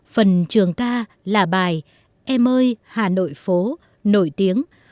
phần trường ca là bài em ơi hà nội phố nổi tiếng